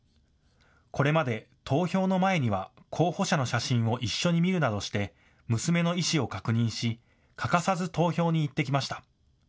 これまで投票の前には候補者の写真を一緒に見るなどして娘の意思を確認し、欠かさず投票に行ってきました。